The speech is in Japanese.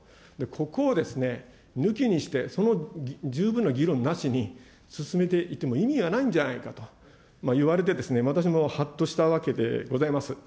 ここを抜きにして、その十分な議論なしに進めていっても意味がないんじゃないかと言われて、私もはっとしたわけでございます。